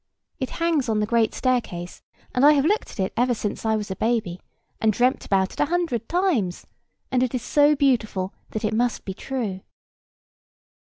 It hangs on the great staircase, and I have looked at it ever since I was a baby, and dreamt about it a hundred times; and it is so beautiful, that it must be true."